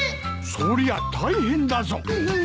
そりゃ大変だぞ。